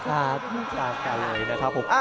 ใช่ตามกันเลยนะครับ